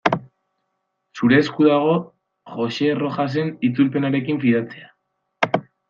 Zure esku dago Joxe Rojasen itzulpenarekin fidatzea.